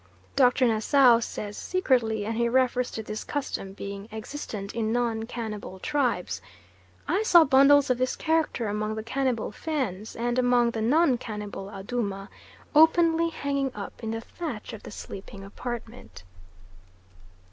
Dr. Nassau says "secretly," and he refers to this custom being existent in non cannibal tribes. I saw bundles of this character among the cannibal Fans, and among the non cannibal Adooma, openly hanging up in the thatch of the sleeping apartment.